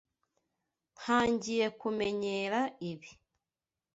Ntangiye kumenyera ibi.